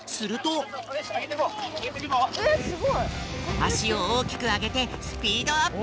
あしをおおきくあげてスピードアップ！